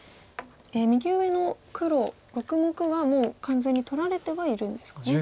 右上の黒６目はもう完全に取られてはいるんですかね。